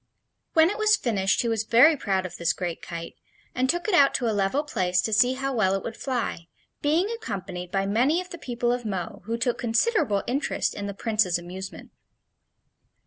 When it was finished he was very proud of this great kite, and took it out to a level place to see how well it would fly, being accompanied by many of the people of Mo, who took considerable interest in the Prince's amusement.